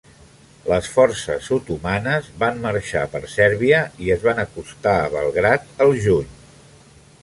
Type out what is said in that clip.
Les forces otomanes can marxar per Sèrbia i es van acostar a Belgrad al juny.